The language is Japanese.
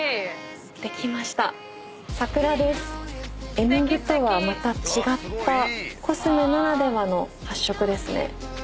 絵の具とはまた違ったコスメならではの発色ですね。